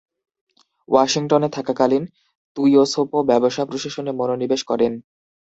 ওয়াশিংটনে থাকাকালীন, তুইয়োসোপো ব্যবসা প্রশাসনে মনোনিবেশ করেন।